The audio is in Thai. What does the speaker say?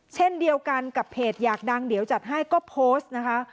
เช่นเดียวกันกับเพจอยากดังเดี๋ยวจัดให้ก็โพสต์นะคะ